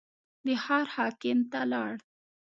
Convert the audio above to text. د ښار حاکم ته لاړ.